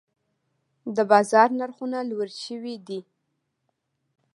د بازار نرخونه لوړې شوي دي.